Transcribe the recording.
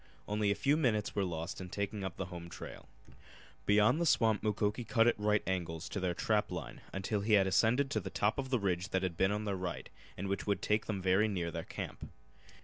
Only a few minutes were lost in taking up the home trail. Beyond the swamp Mukoki cut at right angles to their trap line until he had ascended to the top of the ridge that had been on their right and which would take them very near their camp.